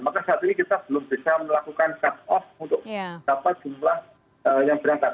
maka saat ini kita belum bisa melakukan cut off untuk berapa jumlah yang berangkat